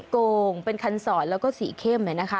โก่งเป็นคันสรรค์แล้วก็สีเข้มนะคะ